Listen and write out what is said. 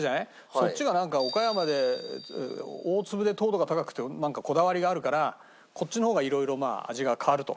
そっちがなんか岡山で大粒で糖度が高くてこだわりがあるからこっちの方が色々味が変わると。